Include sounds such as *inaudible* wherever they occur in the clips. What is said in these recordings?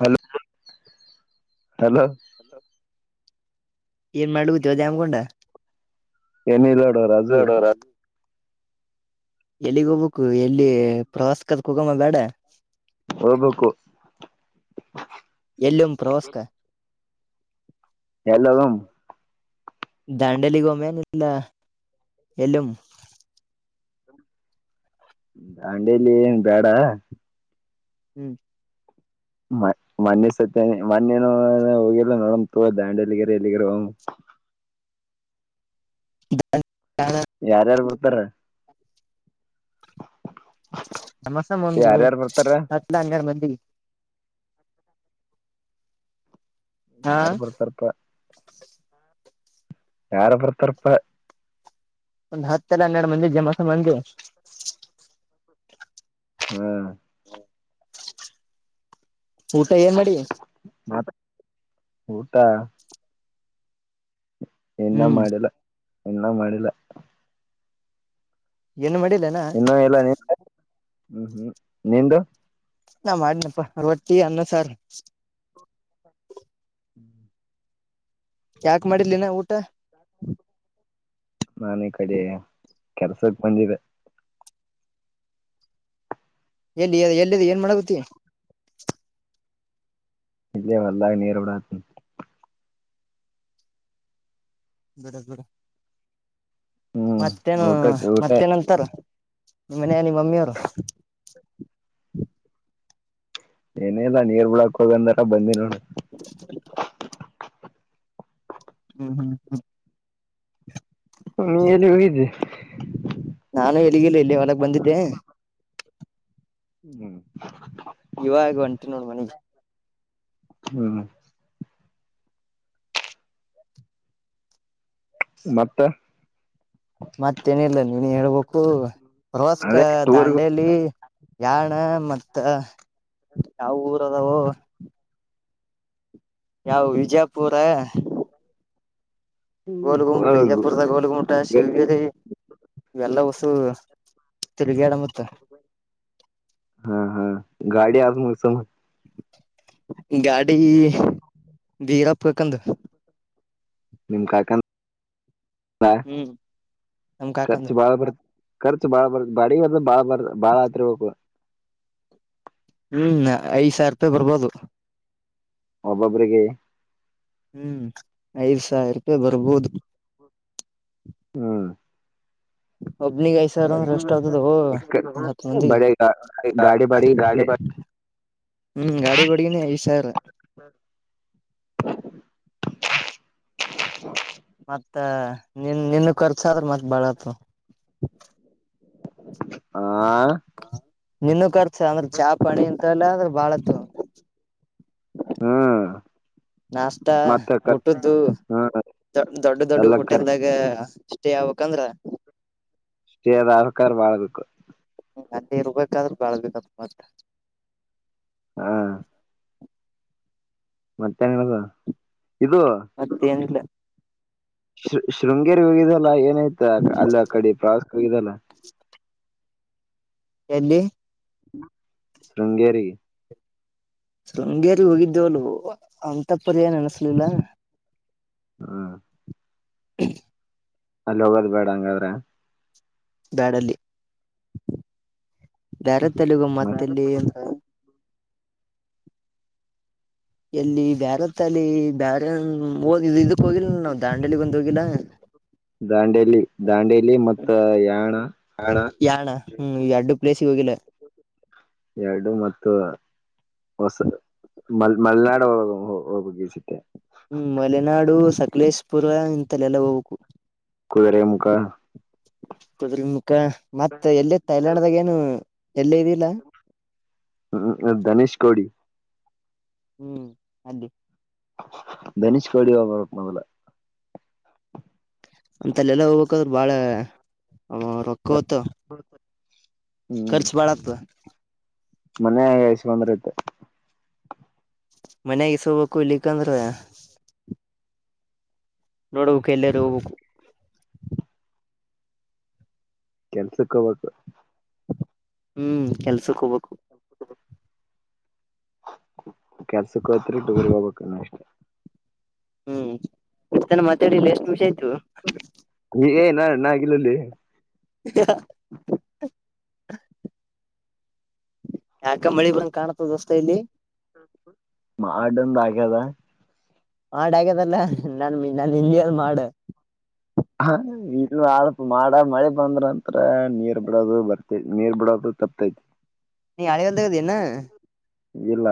ಹಲ ಹಲೋ ಏನ್ ಮಾಡ್ಬತಿವದಮಕೊಂಡ ಏನ್ ಇಲ್ಲಾಡೋ ರಾಜು ಎಲ್ಲಿಗ್ ಹೋಗ್ಬೇಕು ಎಲ್ಲಿ ಪ್ರವಾಸ ಕದ ಹೋಗಮ್ಮ ಬೇಡ ಹಬೇಕಕ್ಕು ಎಲ್ಲ ಪ್ರೋಸ್ಕ ಎಲ್ಲೂ ದಾಂಡಲಿಗೋಮನ್ ಇಲ್ಲ ಎಲ್ಲು ದಾಂಡೇಲಿ ಏನ್ ಬೇಡ ಹ್ಮ್ ಮ ಮೊಣಿ ಸತ್ಯ ಮಣೇನ ಹೋಗಿಲ್ಲ ನೋಡಮ ತು ದಾಂಡಲಿಗರೆ ಎಲ್ಲಿಗರ *inaudible* ಬ *unintelligible* ಯಾರ್ಯಾರು ಬಡ್ತಾರ ನಮಸ್ ಮುದು ಬರ್ತಾರ ಹತ್ತು ಹನ್ನೆರಡು ಮಂದಿಗೆ ಹಾ ಯಾರು ಬರ್ತಾರಪ್ಪ ಯಾರಪರ ತರ್ಪ ಒಂದು್ ಹತ್ತೆರ ಹನ್ನೆರಡು ಮಂದಿ ಜಮಸ ಮಂದ ಹ್ಮ ಊಟ ಏನ್ ಮಾಡಿ ಊಟಾ ಇನ್ನ ಹ್ಮ್ ಮಾಡಿಲ್ಲ ಇನ್ನ ಮಾಡಿಲ್ಲ ಏನು ಮಾಡಿಲ್ಲನಾ ಇನ್ನೂ ಎಲ್ಲ ಹ್ಮ್ ಹ್ಮ್ ನಿಂದುು ನಾ ಮಾಡನಪ್ಪ ರೊಟ್ಟಿ ಅನ್ನ ಸಾರ ಹ್ಮ್ *unintelligible* ಯಾಕ ಮಾಡಿರ್ಲಿನ ಊಟ ನಾನೀ ಈ ಕಡೆ ಕೆಲ್ಸಕ್ ಬಂದಿದೆೆ ಎಲ್ಲಿ ಎಲ್ಲಿ ಏನ್ ಮಾಡಗತಿ ಇಲ್ಲ ಅಲ್ಲಾಗ ನೇರು ಬಿಡ ಬಿಡ ಬಿಡ ಹ್ಮ್ ಮತ್ತೇನು ಊಟಕ್ ಊಟ ಮತ್ತೇನಂತಾರ ಮನ ನೀ ಮಮ್ಮಿ ಅವರು ಏನೇದ ನೀರ್ ಬಿಳಾಕ್ ಹೋಗಂದಾರ ಬಂದಿ ನೋ *inaudible* ಹ್ಮ್ ಹ್ಮ್ ಹ್ಮ್ ನೀ ಎಲ್ಲಿ ಹೋಗಿದ್ದೆ ನಾನು ಎಳಗಿಲ್ಲ ಇಲ್ಲಿ ಹೊರಗೆ ಬಂದಿದ್ದೆ ಹ್ಮ ಹ್ಮ್ ಇವ ಆಗ ಒಂಟ ನೋಡ್ ಮನಿಗ್ ಹ್ಮ ಮತ್ತೆ ಮತ್ತೇನಿಲ್ಲ ನೀನ್ ಹೇಳ್ಬೇಕು ರೋಸ್ಕ ಅದೇ ಟೂರ್ಗ ದಾಂಡೇಲಿ ಯಾಣ ಮತ್ತ ಯಾವ ಊರ ಅದಾವ ಯಾವವು ವಿಜಯಪುರ ಗೋಲ್ ಗುಂಬಿಟ ವಿಜಯಪುರದ ಗೋಲ್ ಗುಂಬಿಟ ಶಿವಗಿರಿ ಇವೆಲ್ಲ ಉಸು ತಿರುಗಡ ಮ ಹಾ ಹಾ ಗಾಡಿ ಆ ಮುಗಸಮ ಗಾಡಿ ವೀರ ಪ್ರಕಂದ ನಿಮ್ ಕಾಯಕ ಹ ಹ್ಮ್ ನಮ್ ಕಾಕಂದು ಖರ್ಚು ಬಾಳ ಬರ್ ಖರ್ಚು ಬಾಳ ಬರ್ ಬಾಡಿರ್ ಬಾಳ ಬರ್ ಬಾಳ ಹತ್ರ್ಬೇಕು ಹ್ಮ್ ಐದ್ ಸಾವಿರ ರೂಪಾಯಿ ಬರ್ಬೋದು ಒಬ್ಬೊಬ್ರಿಗೆ ಹ್ಮ್ ಐದ್ ಸಾವಿರ ರೂಪಾಯಿ ಬರ್ಬೋದು ಹ್ಮ್ ಒಬ್ನಿಿಗೆ ಐ ಸರಂದ ರೆಸ್ಟ್ ಆಗ್ತದ ಹತ್ತು ಮಂದ ಬಡಿ ಗಾಡಿ ಬಾಡಿ ಗ ಹ್ಮ್ ಗಾಡಿ ಬಡಗಿನಿ ಐ ಸಾವಿರ *inaudible* ಮತ್ತ ನಿನ್ ನಿನ್ನ ಖರ್ಚಾದ್ರೆ ಮತ್ ಬಾಳತ್ ಆ ನಿನ್ನ ಕರ್ತ ಅಂದ್ರೆ ಚಾ ಪಾಣಿ ಅಂತ ಎಲ್ಲ ಅಂದ್ರೆ ಬಾಳತ್ ಹ್ಮ್ ನಾಷ್ಟತಾ ಮತ್ತ ಊಟದ್ದು ಹ್ಮ ದ ದೊಡ್ಡ ದೊಡ್ಡ ಎಲ್ಲ ಖರ್ಚು ಹಊಟೆಲ್ದಾಗ ಅಷ್ಟೆ ಯಾವಕಂದ್ರ ಅಷ್ಟೇ ಅದ ಆಕಾರ ಮಾಡಾಳದಕ್ಕು ನ ನೀರ್ ಬಾದ್ರೂ ಬಾಳ್ಬೇಕ ಮತ್ತ ಹಾ ಮತ್ತೆನ್ಗ ಮತ್ತೇಏನಿಲ್ಲ ಶ ಶೃಂಗೇರಿ ಹೋಗಿದಲ್ಲ ಆಯ್ತಾ ಅಲ್ಲ ಕಡೆ ಪ್ರವಾಸಗಿದಲ್ಲ ಎಲ್ಲಿ ಶೃಂಗೇರಿ ಶೃಂಗೇರಿ ಹೋಗಿದ್ದೇವಲ್ಲ ಅಂತ ಪರ ಏನ್ ಅನ್ಸ್ಲಿಲ್ಲ ಹ್ಮ *inaudible* ಅಲ್ಲಿ ಹೋಗೋದ್ ಬೇಡ ಹಂಗಾದ್ರೆ ಬ್ಯಾಡಲ್ಲಿ ಬೇರೆ ತೆಲುಗು ಮತ್ ಮತ್ತೆಲ್ಲಿಂದ ಎಲ್ಲಿ ಬ್ಯಾರತ್ತ ಅಲ್ಲಿ ಬ್ಯಾರ ದ್ ಇದಕ್ ಹೋಗಿಿಲ್ಲ ನಾವವು ದಾಂಡಲಿಗ್ಂದ ೋಗಡ ದಾಂಡೇಲಿ ದಾಂಡೇಲಿ ಮತ್ತು ಯಾಣ ಯಾಣ ಹ್ಮ್ ಈ ಎರಡ್ಡು ಪ್ಲೇಸ್ಿಗೆ ಹೋಗಿಲ್ಲ ಎರಡು ಮತ್ತು ಹೊಸ ಮ ಮಲ್ನಾಡ ಉಪಗ ಚಟ್ಟೆ ಹ್ಮ್ ಮಲೆನಾಡು ಸಕಲೇಶಪುರ ಇಂತಲ್ಲೆಲ್ಲ ಹೋಗ್ು ಕುುದುರೆ ಮುಖ ಕದ್ರ ಮತ್ತ ಎಲ್ಲಿ ತಥೈಲ್ಯಾಂಡ್್ದಾಗ ಏನು ಎಲ್ಲೇ ಇದಿಲ್ಲ ಹ್ಮ್ ದನೇಶ್ ಕೋಡಿ ಹ್ಮ್ ಅೇ ನಿಷ್ ಕೋಡಿ ಹಬರ ಮೊದಲ ಅಂತಲ್ಲ ಎಲ್ಲ ಹೋಗ್ಕ್ದ್ರರು ಬಾಳ ರೊಕ್ಕ ಹೊತ ಖರ್ಚು ಬಾಳತ್ ಮನ್ೆಯಾಗ ಇಸ್ ಬಂದ್ರ ತೆ ಮನಾಗ ಸೋಬೇಕಕ್ಕು ಇಲ್ಲಿಕಂದ್ರ ನೋಡ್ಬೇಕಕ್ ಎಲ್ಲರೂ ಹೋಗ್ಬೇಕು ಕೆಲ್ಸಕ್ಕ ಹೋಗಬೇಕು ಹ್ಮ್ ಕೆಲ್ಸಕ್ ಹೋಗ ಕೆಲ್ಸಕ್ಕ ಹತ್ಟ್ಟುಗರ್ಗ ಹೋಗಬೇಕಣ ಅಷ್ಟ ಹ್ಮ್ ಇತನ ಮಾತಾಡಿಲ್ಲಿ ಎಷ್ಟು ನಿಮಷ ಆಯ್ತು ಏನ್ಣಾಗಿಲಲ್ಲಿ ಹ ಯಾಕ ಮಳಿ ಬಂದ್ ಕಾಣತ ದೋಸ್ತ ಇಲ್ಲಿ ಮಾಡಂದ ಆಗ್ಯದ ಮಾಡ ಆಗದಲ್ಲ ನನ್ ನನ್ ಹಿಂದಿಯಲ್ ಮಾಡ ಹ ಇಲ್ಲ ಆಪ ಮಾಡ ಮಳೆ ಬಂದ್ರ ನಂತತ್ರ ನೀರ್ ಬಿಡೋದು ಬರ್ತ ಮೇರ್ ಬಿಡೋದು ತಪ್ಪತೈತಿ ನೀ ಅಳವನ್ನು ಇಲ್ಲ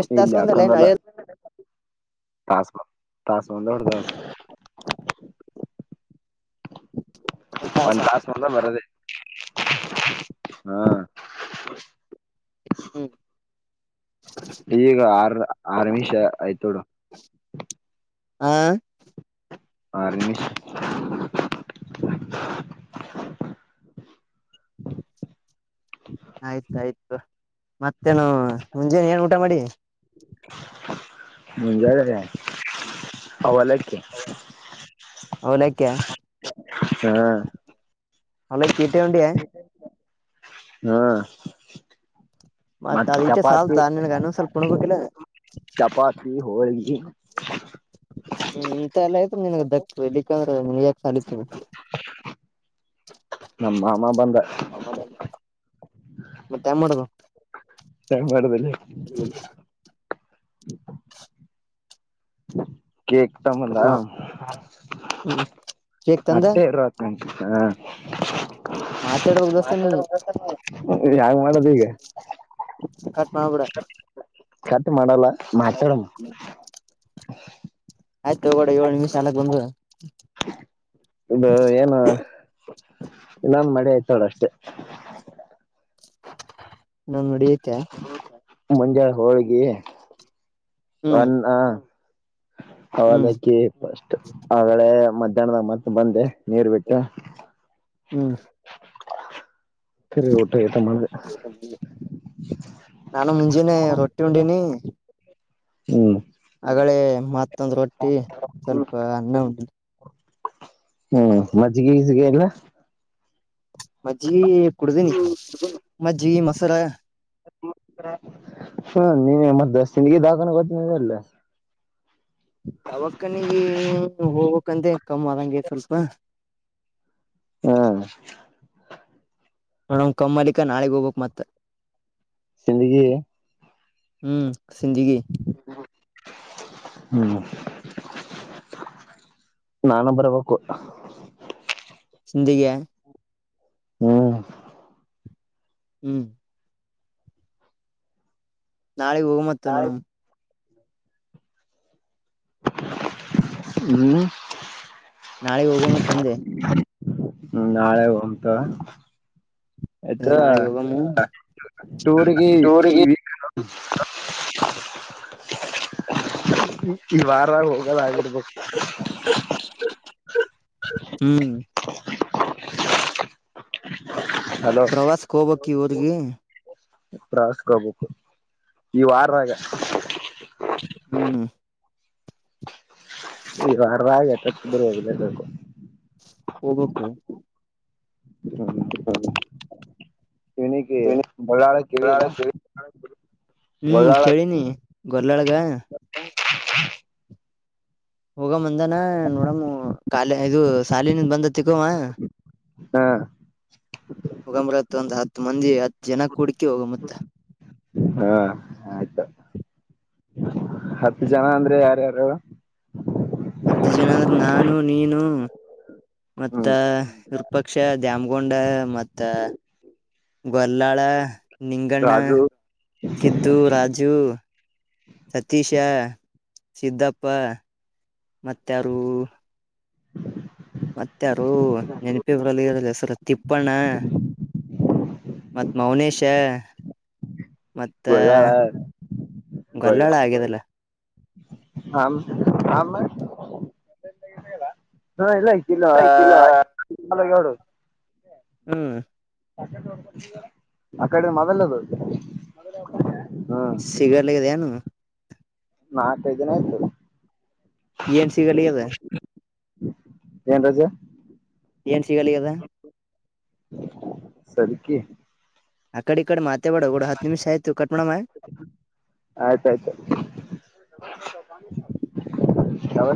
ಎಷ್ಟು ದಾಸ ಬಂದಲ್ಲನ್ಯ ತಾಸ ತಾಸವಂದ ಹೊಡದ ಹಾ ಒಂದ್ ತಾಸ್ ಬಂದ ಬರದೆೇ ಹ್ಮ ಹ್ಮ್ ಈಗ ಆರ್ ಆರ್ಮಿಷ ಆಯ್ತೋಡು ಹಾ ಆರಷ ಹ್ಮ ಆಯ್ತಾಯ್ತು ಮತ್ತೇನು ಮುಂಜಾನ ಏನ್ ಊಟ ಮಾಡಿ ಮುಂಜ ಅವಲ್ಲಕಿ ಅವಲಕೆ ಹಾ ಅವಲ್ಲಕಿ ಕೀಟೇ ಒಂಡಿಯಾ ಹಾ ಮತ್ ಮತ್ತೆ ಅದ ಇಟ್ಟೆ ಚಪಾತಿ ಸಾಲ್ತಾ ನಿನ್ಗ ಅನ್ನ ಸ್ವಲ್ಪ ಉಣ್ಬೇಕಿಲ್ಲ ಚಪಾತಿ ಹರಗ ಹ್ಮ್ ಇಂತ ಎಲ್ಲ ಆ್ತು ನನ್ಗೆ ದಕ್ ಇಲ್ಲಿಕ್ಕಂದ್ರೆನ್ ಯಾಕ್ ಸಾಲತ *unintelligible* ನಮ್ಮ ಮಾಮಾ ಬಂದ ಮತ್ತ ಹೆಂಗ ವಾಡದಲ್ಲಿ ಹ್ಮ ಹ ಕೇಕ್ ತಮ್ಮಲ್ಲ ಕಟ್ ಮಾಡ ಹ್ಮ್ ಕೇಕ್ ತಂದ ಅಟ್ಟೆ ಇರ್ತ್ ನಂ ಹಾ ಮಾತಾಡ್ಬೇಕ್ ದೋಸ್ತ ನೀ ಯಾಾಗ ಮಾಡದು ಈಗ ಕಟ್ ಮಾಬಡ ಟ್ ಮಾಡಲ್ಲ ಮಾತಾಡಮ ಆಯ್ತು ಒಗಡೆ ಏಳು ನಿಮಿಷ ಅನಕ್ ಬಂದು ಹಾ ಇದು ಏನು ಇನ್ನಂದ ಮಡಿ ಆಯ್ತೋಡ ಅಷ್ಟೆ ನನ್ ನಡಿಯತೆ ಮುಂಜಳೆ ಹೋಳ್ಗಿ ಹ್ಮ್ ಅನ್ನ ಹ್ಮ್ ಅವಲಕ್ಕಿ ಫಸ್ಟ್ ಅಗಳೆ ಮಧ್ಯಾಹ್ನದಾಗ ಮತ್ತ ಬಂದೆ ನೀರು ಬಿಟ್ಟ ಹ್ಮ್ ಸರಿ ಊಟ ಮಾಡ್ದೆ ಮಾಡೆ ನಾನು ಮುಂಜೆಿನೆ ರೊಟ್ಟಿ ಉಂಡಿನಿ ನೀ ಹೂ ಆಗಳೇ ಮತ್ತೊಂದ್ ರೊಟ್ಟಿ ಸ್ವಲ್ಪ ಅನ್ನ ಉಂಡಿನಿ ಹೂ ಮಜ್ಜಿಗೆಗಿಜಿ ಎಲ್ಲ ಮಜ್ಜಿ ಕುಡ್ದನಿ ಮಜ್ಜಿ ಮಸಾಲ ಹೂ ನೀವ ಮತ್ತ ತಿಿನಗಿ ದಾಕೊಂಡ ಗೊತ್ತಿನ ಅಲ್ಲ ತವಕ್ಕನಿಗೆ ಹೋಗಕ್ಂತ ಕಮ್ಮ್ ಆದಂಗೆ ಸ್ವಲ್ಪ ಹಾ ಹೂ ಕಮ್ಮಲ್ಲಿಿಕಾ ನಾಳೆಗ್ ಹೋಗ್ಬೇಕು ಮತ್ತ ಜಿಂದಗಿ ಹೂ ಸಿಂಧಗಿ ಹೂ ನಾನು ಬರ್ಬೇಕು ಸಿಂಧಿಗೆ ಹೂ ಹೂ ನಾಳೆ ಹೋಗಂ ಮತ್ತೆ ನೋಡಂ ಹೂ ನಾಳೆೆಗೆ ಹೋಗೋಮ್ಮತ್ ತಂದೆ ಹೂ ನಾಳೆ ಹೋಗಂ ತಗೋ ಯಾಕ ಅದೇ ನಾಳಗ್ ಹೋಗಮ್ಮ ಟೂರ್ ಗೆ ಟೂರ್ಗಿ ಈ ವಾರ ಇವಾಗ ಆಗಿರಬೇಕು ಹೂ ಹೂ ಪ್ರವಾಸಕ್ಕೆ ಹೋಗಬಕ್ ಇ ಊರ್ಗಿ ಪ್ರವಾಸಕ್ಕೆ ಹೋಗಬೇಕು ಈ ವಾರದಾಗ ಹೂ ಈ ವಾರದಾಗ ಆಗ್ತಿ ಅಂದ್ರೆ ಹೋಗಲೇಬೇಕು ಎದುಕ ಹ್ಮ್ ಹ ಇವನಿಗೆ ಬಳ್ಳಾಳ ಕೇಳಿಲ್ಲ ಹೂ ಬಳ್ಳಾಳ ಕೇಳಿನಿ ಗೊಲ್ಲಾಳಗ ಹ ಹ ಹೋಗ್ಂದಾನ ನೋಡಮ್ಮ ಕಾಲ ಇದು ಸಾಲಿನಿಂದ ಬಂದತಿಿಕವ ಹಾ ಹ ಮಂದಿ ಹತ್ ಜನ ಕೂಡ್ಕಿ ಹೋಗ ಮುತ್ತ ಹಾ ಆಯ್ತು ಹತ್ತು ಜನ ಅಂದ್ರೆ ಯಾರ್ಯಾರು ಹತ್ತು ಜನ ಅಂದ್ರ ನಾನು ನೀನು ಮತ್ತ ಹ್ಮ್ ವಿರಪಕ್ಷ ದ್ಯಾಮ್ಗೊಂಡ ಮತ್ತ ಗಲ್ಲಾಳ ನಿಂಗಣ್ಣ ರಾಜು ಸಿದ್ದು ರಾಜು ಸತೀಶ ಸಿದ್ದಪ್ಪ ಮತ್ತಾರು ಮತ್ತಾರು ನೆನಪಿ ಬರಲ್ಲ ಇವ್ರ ಹೆಸರು ತಿಪ್ಪಣ್ಣ ಮತ್ ಮೌನೇಶ ಮತ್ತ ಬಳಗಾರ ಬ ಗೊಲ್ಲಾಳ ಆಗ್ಯದಲ್ಲ ಆ ಇಲ್ಲ ಇಲ್ಲ ನಿಮ್ ಮನೆಗೆ ನೋಡು ಹೂ ಆ ಕಡೆ ಮೊಬೈಲ್ ಅದು ಸಿಗರೇಟ್ ಲನು ನಾಕೈದು ದಿನ ಆಯ್ತು ಎನ್ ಸಿ ಕಳ ಅದ ಏನ್ ರಜೆ ಏನ್ ಸಿಗಲಿ ಅದ ಸರಿಕ್ಕೆ ಕಡಿ ಕಡಿ ಮಾತ ಬಡ ಒ ಹತ್ತು ನಿಮಿಷ ಆಯ್ತು ಕಟ್್ಮೋಣ ಮಾ ಆಯ್ತಾಯ್ತು *inaudible* ಯಾವ